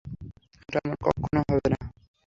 এটা আর কক্ষনো হবে না।